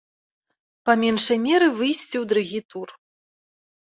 Па меншай меры выйсці ў другі тур.